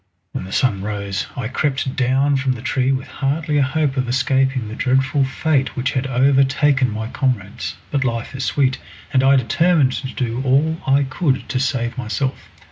When the sun rose I crept down from the tree with hardly a hope of escaping the dreadful fate which had over taken my comrades; but life is sweet, and I determined to do all I could to save myself.